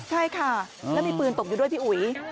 ใช่ค่ะแล้วมีปืนตกอยู่ด้วยพี่อุ๋ย